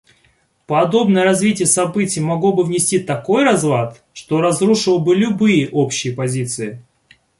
Подобное развитие событий могло бы внести такой разлад, что разрушило бы любые общие позиции.